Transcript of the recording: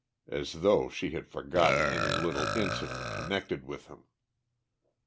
As though she had forgotten any little incident connected with him!